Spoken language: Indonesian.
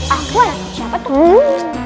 aku anaknya siapa tuh